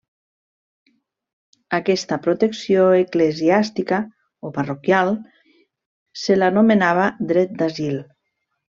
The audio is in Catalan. Aquesta protecció eclesiàstica o parroquial se l'anomenava Dret d'Asil.